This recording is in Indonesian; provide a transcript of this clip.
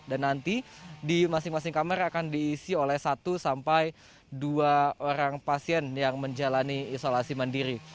dan nanti di masing masing kamar akan diisi oleh satu sampai dua orang pasien yang menjalani isolasi mandiri